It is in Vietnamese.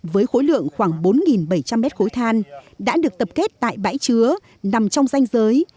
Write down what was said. với khối lượng khoảng bốn bảy trăm linh mét khối than đã được tập kết tại bãi chứa nằm trong danh giới